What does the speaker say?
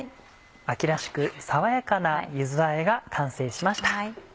秋らしく爽やかな柚子あえが完成しました。